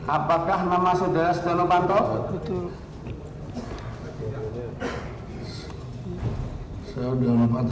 apakah nama saudara setiano fanto